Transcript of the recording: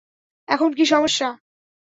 এখন কী সমস্যা?